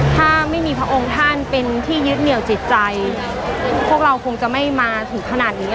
ถ้าไม่มีพระองค์ท่านเป็นที่ยึดเหนียวจิตใจพวกเราคงจะไม่มาถึงขนาดนี้